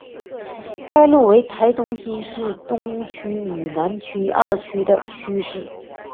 该路为台中市东区与南区二区的区界。